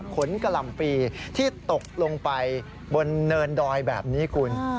กะหล่ำปีที่ตกลงไปบนเนินดอยแบบนี้คุณ